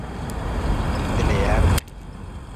dileýärdi.